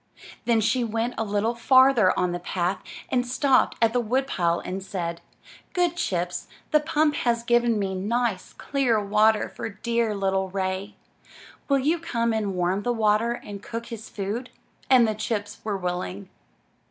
Then she went a little farther on the path, and stopped at the wood pile, and said: *'Good Chips, the pump has given me nice, clear water for dear little Ray; will you come and warm the water and cook his food?" And the chips were willing.